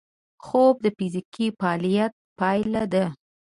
خوب د فزیکي فعالیت پایله ده